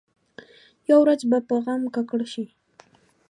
یوه ورځ به په غم ککړ شي.